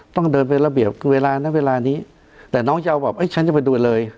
ต้องเดินเป็นระเบียบเวลานะเวลานี้แต่น้องจะเอาแบบเอ้ยฉันจะไปดูเลย